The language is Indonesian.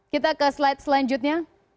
kita ke slide selanjutnya